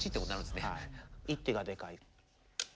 一手がでかい。